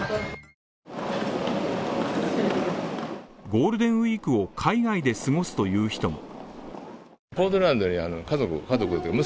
ゴールデンウィークを海外で過ごすという人も。